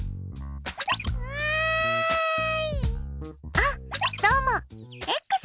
あっどうもです。